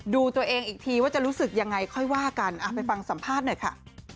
ดูตัวเองอีกทีว่าจะรู้สึกยังไงค่อยว่ากันไปฟังสัมภาษณ์หน่อยค่ะ